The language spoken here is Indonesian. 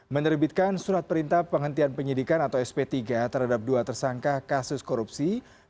menerbitkan surat perintah penghentian penyidikan atau sp tiga terhadap dua tersangka kasus korupsi